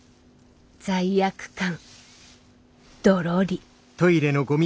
罪悪感ドロリ。